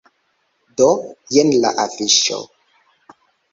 Do, jen la afiŝo.